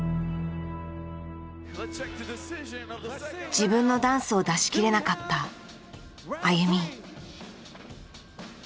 自分のダンスを出し切れなかったＡＹＵＭＩ。